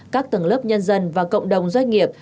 các tầng lớp nhân dân và cộng đồng doanh nghiệp